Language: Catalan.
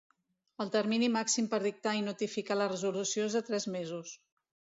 El termini màxim per dictar i notificar la resolució és de tres mesos.